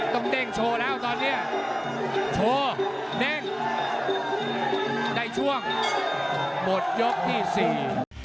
เด้งโชว์แล้วตอนเนี้ยโชว์เด้งได้ช่วงหมดยกที่สี่